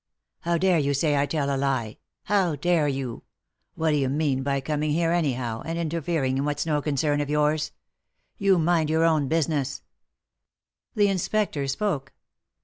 " How dare you say I tell a lie ?— how dare you ? What do you mean by coming here anyhow, and interfering in what's no concern of yours ? You mind your own business 1 " The inspector spoke.